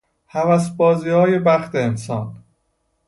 هوسبازیهای بخت انسان